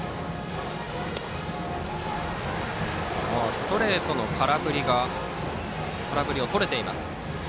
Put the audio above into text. ストレートで空振りをとれています。